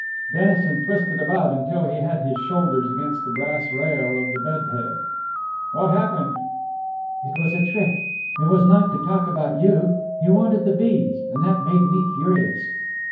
Dennison twisted about until he had his shoulders against the brass rail of the bed head. "What happened?" "It was a trick. It was not to talk about you he wanted the beads, and that made me furious."